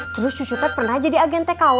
terus cucu teh pernah jadi agen tkw